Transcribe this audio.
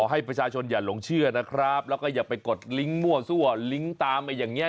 ให้ประชาชนอย่าหลงเชื่อนะครับแล้วก็อย่าไปกดลิงค์มั่วซั่วลิงก์ตามไปอย่างเงี้